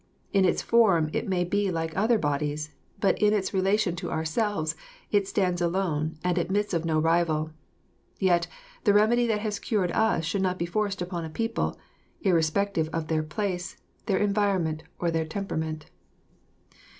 In its form it may be like other bodies, but in its relation to ourselves it stands alone and admits of no rival; yet the remedy that has cured us should not be forced upon a people, irrespective of their place, their environment or their temperament.